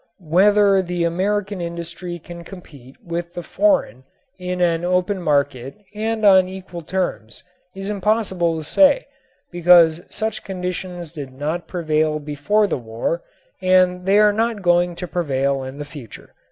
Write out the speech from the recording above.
Whether the American industry can compete with the foreign in an open market and on equal terms is impossible to say because such conditions did not prevail before the war and they are not going to prevail in the future.